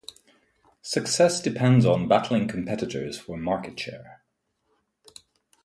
Success depends on battling competitors for market share.